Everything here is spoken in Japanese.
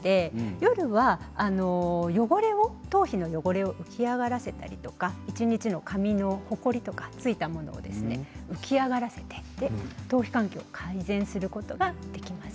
夜は頭皮の汚れを浮き上がらせたりとか、一日髪のほこりを浮き上がらせて頭皮環境の改善をすることができます。